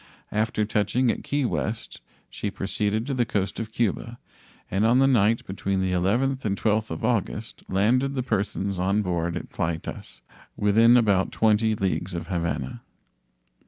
After touching at Key West, she proceeded to the coast of Cuba, and on the night between the 11th and 12th of August landed the persons on board at Playtas, within about 20 leagues of Havana.